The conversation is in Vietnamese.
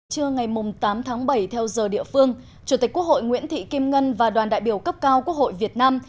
trưa ngày tám tháng bảy theo giờ địa phương chủ tịch quốc hội nguyễn thị kim ngân và đoàn đại biểu cấp cao quốc hội việt nam